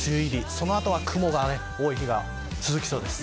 その後は雲が多い日が続きそうです。